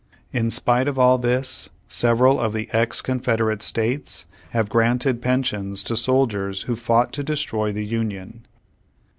In spite of all this, several of the ex Confederate states have granted pensions to soldiers who fought to destroy the Union.